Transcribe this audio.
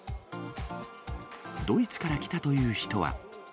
ドイツから来たという人は。